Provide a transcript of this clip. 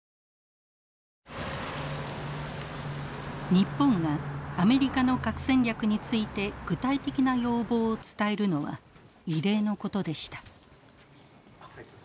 日本がアメリカの核戦略について具体的な要望を伝えるのは異例のことでした。